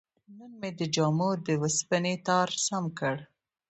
نن مې د جامو د وسپنې تار سم کړ.